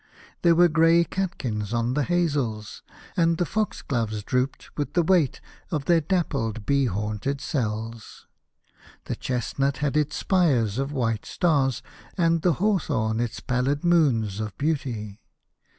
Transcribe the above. There were grey catkins on the hazels, and the fox gloves o drooped with the weight of their dappled bee haunted cells. The chestnut had its spires of white stars, and the hawthorn its pallid moons of beauty.